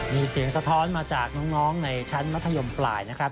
มีเสียงสะท้อนมาจากน้องในชั้นมัธยมปลายนะครับ